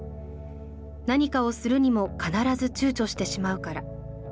何かをするにも必ず躊躇してしまうから。